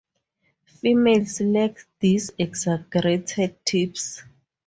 Females lack these exaggerated tips.